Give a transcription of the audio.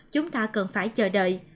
chúng ta cần phải chờ đợi